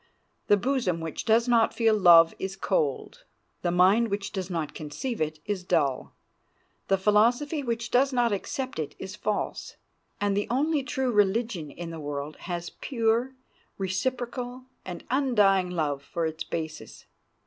The bosom which does not feel love is cold; the mind which does not conceive it is dull; the philosophy which does not accept it is false; and the only true religion in the world has pure, reciprocal, and undying love for its basis.